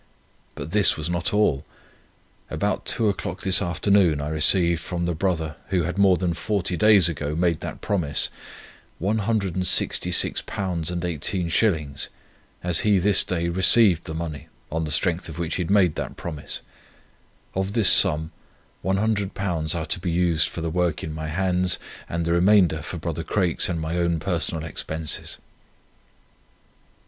But this was not all. About two o'clock this afternoon I received from the brother, who had more than forty days ago, made that promise, £166 18s., as he this day received the money, on the strength of which he had made that promise. Of this sum £100 are to be used for the work in my hands, and the remainder for brother Craik's and my own personal expenses."